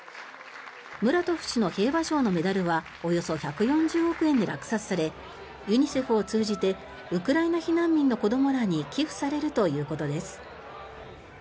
ムラトフ氏の平和賞のメダルはおよそ１４０億円で落札されユニセフを通じてウクライナ避難民の子どもらに寄付されるということです。